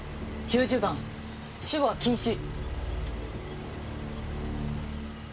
９０番私語は禁止！